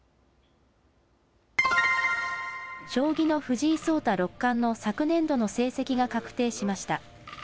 将棋の藤井聡太六冠の昨年度の成績が確定しました。